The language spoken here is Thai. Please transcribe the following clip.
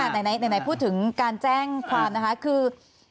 นี่ฉันอ่านไหนพูดถึงการแจ้งความนะคะคือ